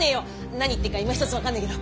何言ってっかいまひとつ分かんねえけど。